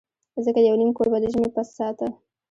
ځکه یو نیم کور به د ژمي پس ساته.